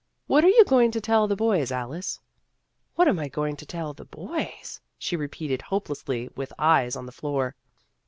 " What are you going to tell the boys, Alice?" " What am I going to tell the boys ?" she repeated hopelessly with eyes on the floor.